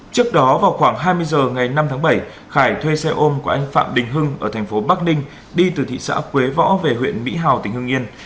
trước đó vào khoảng hai mươi h ngày năm tháng bảy khải thuê xe ôm của anh phạm đình hưng ở thành phố bắc ninh đi từ thị xã quế võ về huyện mỹ hào tỉnh hưng yên